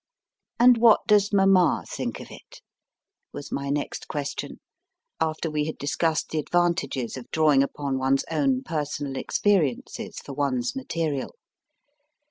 1 And what does Mama think of it ? was my next question, after we had discussed the advantages of drawing upon one s own personal experiences for one s material.